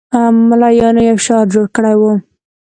ملایانو یو شعار جوړ کړی وو.